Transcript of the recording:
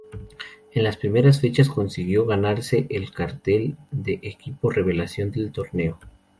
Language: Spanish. En las primeras fechas consiguió ganarse el cartel de equipo revelación del torneo.